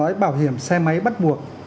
có thể nói bảo hiểm xe máy bắt buộc